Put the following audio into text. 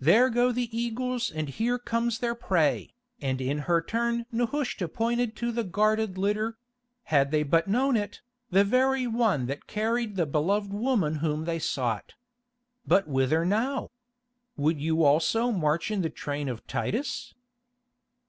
There go the eagles and here comes their prey," and in her turn Nehushta pointed to a guarded litter—had they but known it, the very one that carried the beloved woman whom they sought. "But whither now? Would you also march in the train of Titus?"